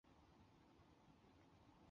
博纳沃修道院人口变化图示